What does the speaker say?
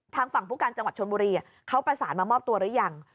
ทางฝั่งผู้การจังหวัดชนบุรีเขาประสานมามอบตัวหรือยัง